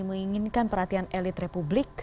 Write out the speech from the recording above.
menginginkan perhatian elit republik